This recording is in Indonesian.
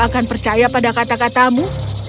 akan percaya pada kata katamu